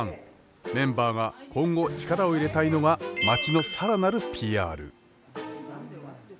メンバーが今後力を入れたいのが町の更なるＰＲ。